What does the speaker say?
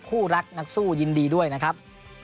คู่รักนักสู้ยินดีด้วยนะครับ